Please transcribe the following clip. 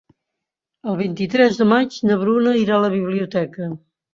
El vint-i-tres de maig na Bruna irà a la biblioteca.